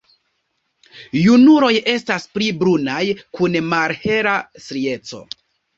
Junuloj estas pli brunaj kun malhela strieco.